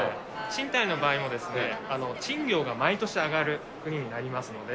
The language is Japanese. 賃貸の場合もですね、賃料が毎年上がる国になりますので。